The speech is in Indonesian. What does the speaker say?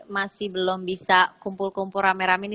masih belum bisa kumpul kumpul rame rame ini